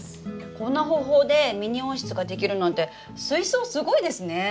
こんな方法でミニ温室ができるなんて水槽すごいですね！ね！